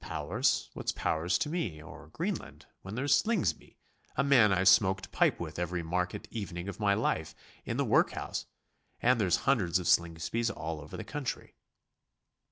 Powers what's powers to me? or Greenland? when there's Slingsby, a man I've smoked a pipe with every market evening of my life, in the workhouse? And there's hundreds of Slingsbys all over the country.'"